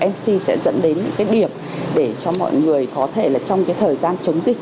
mc sẽ dẫn đến những cái điểm để cho mọi người có thể là trong cái thời gian chống dịch